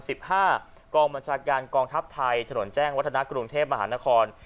กองบัญชาการกองทัพไทยถนนแจ้งวัฒนากรุงเทพมหานคร